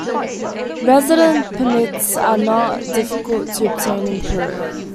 Residence permits are not difficult to obtain in Peru.